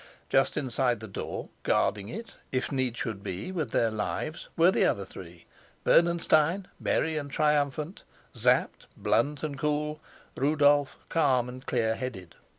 Just inside the door, guarding it, if need should be, with their lives, were the other three, Bernenstein merry and triumphant, Sapt blunt and cool, Rudolf calm and clear headed.